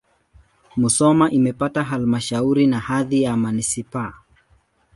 Musoma imepata halmashauri na hadhi ya manisipaa.